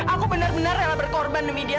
aku benar benar rela berkorban demi dia